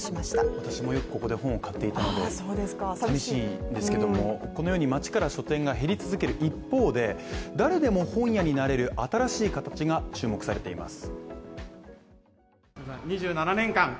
私もよくここで本を買っていたので寂しいですけれどもこのように町から書店が減り続ける一方で誰でも本屋になれる新しい形が注目されています。